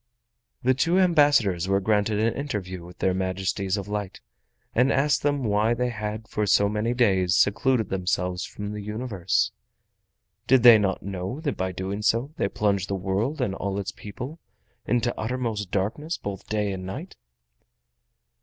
The two ambassadors were granted an interview with their Majesties of Light and asked them why they had for so many days secluded themselves from the Universe? Did they not know that by doing so they plunged the world and all its people into uttermost darkness both day and night?